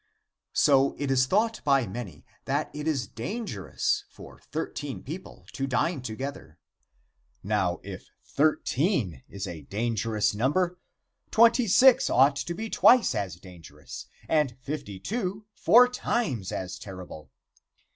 So it is thought by many that it is dangerous for thirteen people to dine together. Now, if thirteen is a dangerous number, twenty six ought to be twice as dangerous, and fifty two four times as terrible.